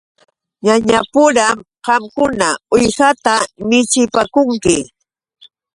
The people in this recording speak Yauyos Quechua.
Ñañapuram qamkuna uwihata michipaakunki.